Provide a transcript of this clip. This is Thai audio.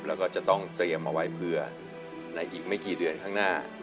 แล้วก็จะต้องเตรียมเอาไว้เพื่อในอีกไม่กี่เดือนข้างหน้า